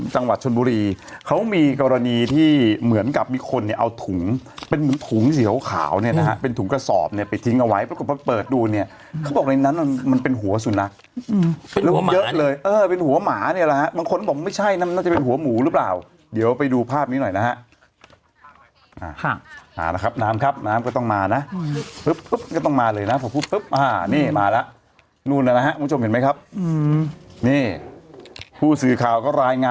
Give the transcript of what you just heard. จังหวัดชนบุรีเขามีกรณีที่เหมือนกับมีคนเนี่ยเอาถุงเป็นเหมือนถุงเสียวขาวเนี่ยนะฮะเป็นถุงกระสอบเนี่ยไปทิ้งเอาไว้เพราะก็พอเปิดดูเนี่ยเขาบอกอะไรอย่างนั้นมันเป็นหัวสุนัขเป็นหัวหมาเนี่ยนะฮะบางคนบอกไม่ใช่น่าจะเป็นหัวหมูหรือเปล่าเดี๋ยวไปดูภาพนี้หน่อยนะฮะอ่านะครับน้ำครับน้ำก็ต้อง